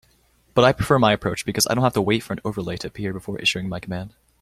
But I prefer my approach because I don't have to wait for an overlay to appear before issuing my command.